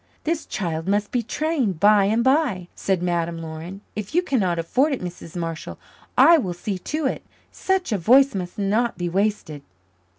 "This child must be trained by and by," said Madame Laurin. "If you cannot afford it, Mrs. Marshall, I will see to it. Such a voice must not be wasted."